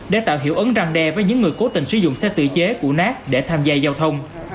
để tạo hiệu ấn răng đe với những người cố tình sử dụng xe tự chế cổ nát để tham gia giao thông